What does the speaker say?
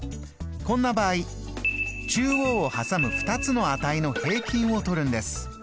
こんな場合中央を挟む２つの値の平均をとるんです。